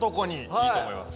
いいと思います。